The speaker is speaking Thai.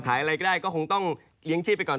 อะไรก็ได้ก็คงต้องเลี้ยงชีพไปก่อน